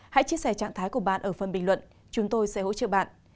hãy chia sẻ trạng thái của bạn ở phần bình luận chúng tôi sẽ hỗ trợ bạn